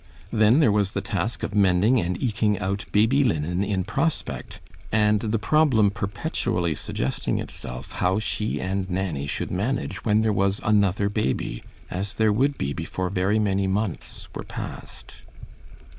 Then there was the task of mending and eking out baby linen in prospect, and the problem perpetually suggesting itself how she and Nanny should manage when there was another baby, as there would be before very many months were past.